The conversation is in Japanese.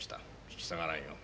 引き下がらんよ。